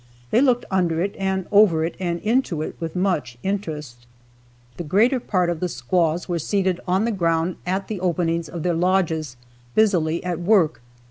They looked under it and over it and into it with much interest. The greater part of the squaws were seated on the ground at the openings of their lodges, busily at work.